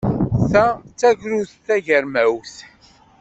Ta d tagrut tagermawt.